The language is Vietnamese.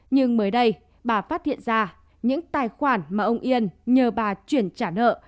nhưng mới đây bà phát hiện ra những tài khoản mà ông yên nhờ bà chuyển trả nợ